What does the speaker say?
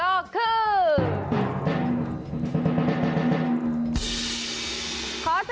โอเคโอเคโอเค